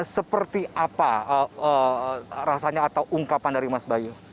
seperti apa rasanya atau ungkapan dari mas bayu